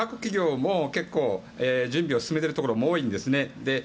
もう結構準備を進めているところも多いんですね。